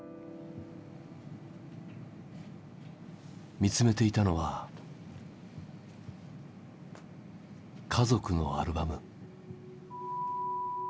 見つめていたのは家族のアルバム。